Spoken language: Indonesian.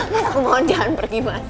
mas aku mohon jangan pergi mas